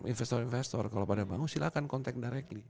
investor investor kalau pada bangun silahkan kontak directly